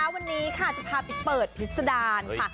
วันนี้ค่ะจะพาไปเปิดพิษดารค่ะ